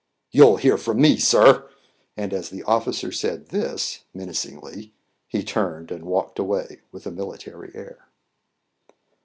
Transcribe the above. "You'll hear from me, sir." And as the officer said this, menacingly, he turned and walked away with a military air.